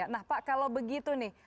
nah pak kalau begitu nih